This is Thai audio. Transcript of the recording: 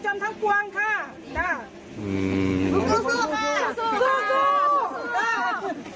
จ้ะอืมสู้ค่ะสู้